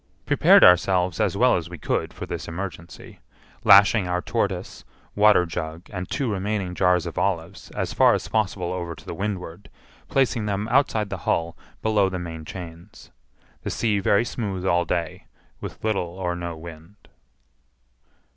Prepared ourselves as well as we could for this emergency, lashing our tortoise, waterjug, and two remaining jars of olives as far as possible over to the windward, placing them outside the hull below the main chains. The sea very smooth all day, with little or no wind.